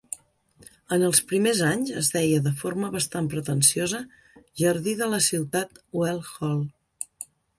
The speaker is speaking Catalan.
En els primers anys es deia, de forma bastant pretensiosa, "jardí de la ciutat Well Hall".